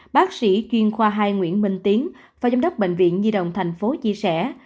bác sĩ chuyên khoa hai nguyễn minh tiến và giám đốc bệnh viện di động thành phố chia sẻ